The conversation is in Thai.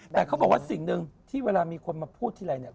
แต่เขาบอกว่าสิ่งหนึ่งที่เวลามีคนมาพูดทีไรเนี่ย